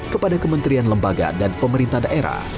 kepada kementerian lembaga dan pemerintah daerah